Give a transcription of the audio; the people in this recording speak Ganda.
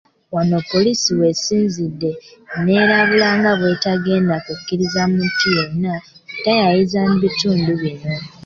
Wano poliisi w'esinzidde n'erabula nga bwe batagenda kukkiriza muntu yenna kutaayayiza mu bitundu bino.